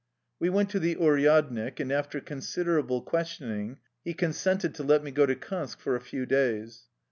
We went to the uryadnik, and after consider able questioning he consented to let me go to Kansk for a few days.